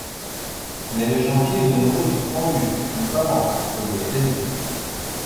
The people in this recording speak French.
Mais, le chantier est de nouveau suspendu, notamment faute de crédit.